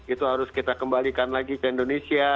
itu harus kita kembalikan lagi ke indonesia